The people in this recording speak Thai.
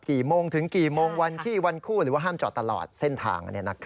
กี่โมงถึงกี่โมงวันที่วันคู่หรือว่าห้ามจอดตลอดเส้นทาง